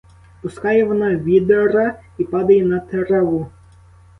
Пускає вона відра і падає на траву.